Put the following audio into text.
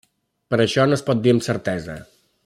Però això no es pot dir amb certesa.